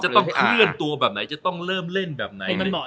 จะต้องเคลื่อนตัวแบบไหนจะต้องเริ่มเล่นแบบไหน